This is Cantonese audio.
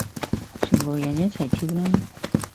全部人一齊跳啦